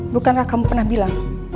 bukankah kamu pernah bilang